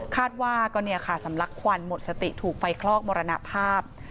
คาดว่าก็สำลักขวัญหมดสติถูกไฟคลอกมรณภาพ